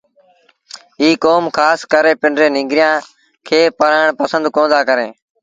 ايٚ ڪوم کآس ڪري پنڊري ننگريآݩ کي پڙهآڻ پسند ڪوندآ ڪريݩ